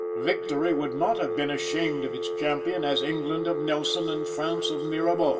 Victory would have been ashamed of its champion, as England of Nelson, and France of Mirabeau.